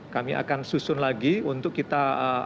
kami akan susun lagi untuk kita